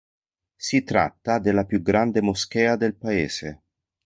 Si tratta della più grande moschea del Paese.